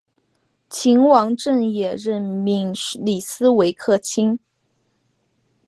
秦王政也任命李斯为客卿。